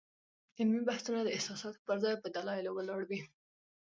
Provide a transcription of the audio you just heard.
علمي بحثونه د احساساتو پر ځای په دلایلو ولاړ وي.